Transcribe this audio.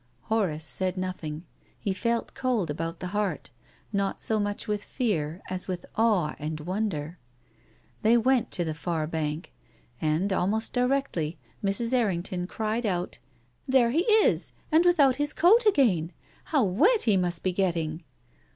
Horace said nothing. He felt cold about the heart, not so much with fear as with awe and wonder. They went to the far bank, and almost directly Mrs. Errington cried out " There he is, and without his coat again ! How wet he must be getting